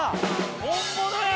本物や！